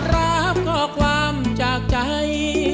โปรดรับขอความจากใจ